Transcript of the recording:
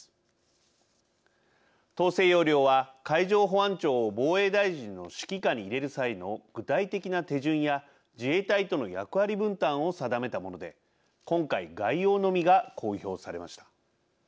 統制要領は海上保安庁を防衛大臣の指揮下に入れる際の具体的な手順や自衛隊との役割分担を定めたもので今回概要のみが公表されました。